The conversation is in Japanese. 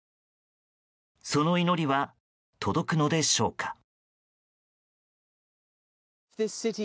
その祈りは届くのでしょうか。